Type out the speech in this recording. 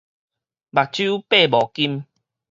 目睭擘無金